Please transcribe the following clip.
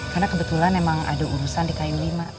karena kebetulan emang ada urusan di ku lima